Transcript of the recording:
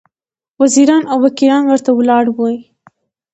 وزیران او وکیلان ورته ولاړ وي.